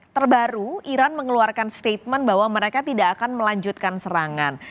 terbaru iran mengeluarkan statement bahwa mereka tidak akan melanjutkan serangan